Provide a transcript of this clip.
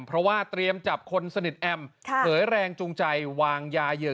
เพราะว่าเตรียมจับคนสนิทแอมเผยแรงจูงใจวางยาเหยื่อ